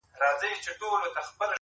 معاش مو یو برابره مو حِصه ده-